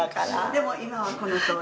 でも今はこのとおり。